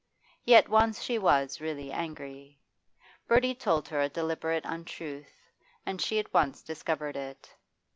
Yet once she was really angry. Bertie told her a deliberate untruth, and she at once discovered it.